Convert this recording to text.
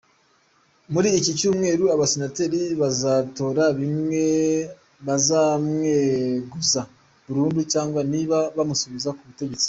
Muri iki cyumweru abasenateri bazatora niba bazamweguza burundi cyangwa niba bamusubiza ku butegetsi.